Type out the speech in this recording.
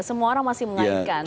semua orang masih mengaitkan